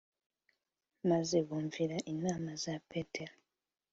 maze bumvira inama za Petero